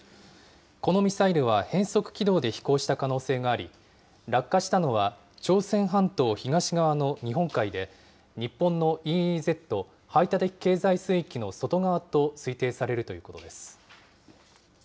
このミサイルは変則軌道で飛行した可能性があり、落下したのは朝鮮半島東側の日本海で、日本のＥＥＺ・排他的経済水域の外側と推定されるということです。